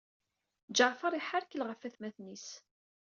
Ǧaɛfeṛ iḥerkel ɣef atmaten-is.